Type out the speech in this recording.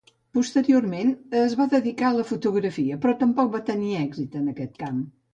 Posteriorment, es va dedicar a la fotografia, però tampoc va tenir èxit en aquest camp.